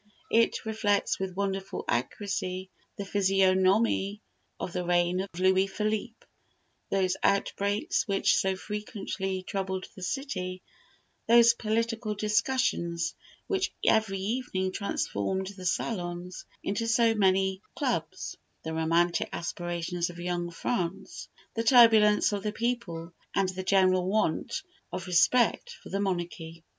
It reflects with wonderful accuracy the physiognomy of the reign of Louis Philippe; those outbreaks which so frequently troubled the city; those political discussions which every evening transformed the salons into so many clubs; the romantic aspirations of Young France; the turbulence of the people, and the general want of respect for the monarchy.